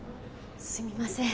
すみません。